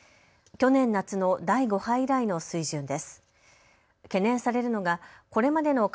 去年夏の第５波以来の水準です。